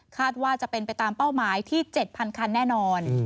ว่าจะเป็นไปตามเป้าหมายที่๗๐๐คันแน่นอน